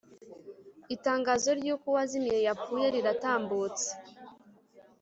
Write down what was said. Itangazo ry’uko uwazimiye yapfuye riratambutse